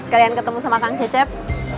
sekalian ketemu sama kang cecep